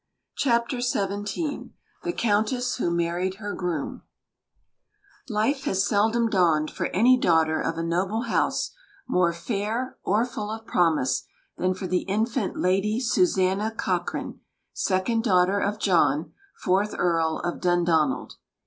CHAPTER XVII THE COUNTESS WHO MARRIED HER GROOM Life has seldom dawned for any daughter of a noble house more fair or full of promise than for the infant Lady Susanna Cochrane, second daughter of John, fourth Earl of Dundonald.